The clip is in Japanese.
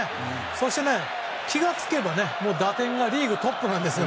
そして、気が付けば打点がリーグトップなんです。